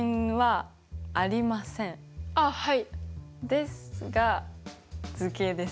ですが図形です。